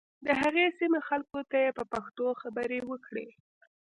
د هغې سیمې خلکو ته یې په پښتو خبرې وکړې.